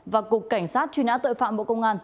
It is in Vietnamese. và cục cảnh sát truy nã tội phạm bộ công an